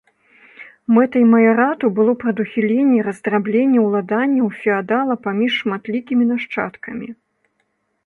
Мэтай маярату было прадухіленне раздрабнення уладанняў феадала паміж шматлікімі нашчадкамі.